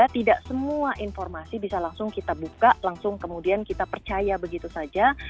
tidak semua informasi bisa langsung kita buka langsung kemudian kita percaya begitu saja